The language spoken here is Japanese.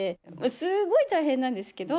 すごい大変なんですけど。